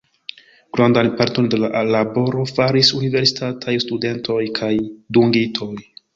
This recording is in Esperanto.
Grandan parton de la laboro faris universitataj studentoj kaj dungitoj.